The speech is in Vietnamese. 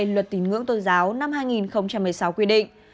luật tín ngưỡng tôn giáo năm hai nghìn một mươi sáu quy định